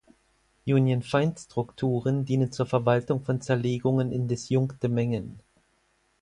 Union-Find-Strukturen dienen zur Verwaltung von Zerlegungen in disjunkte Mengen.